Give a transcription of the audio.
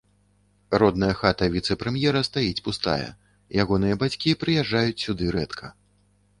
Родная хата віцэ-прэм'ера стаіць пустая, ягоныя бацькі прыязджаюць сюды рэдка.